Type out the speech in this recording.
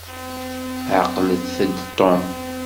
Ɛqlet-d Tom.